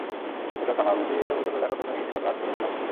এসব সামাল দিয়ে ঐক্য ধরে রাখার জন্যই এসব রাত পেরোনো আলাপ।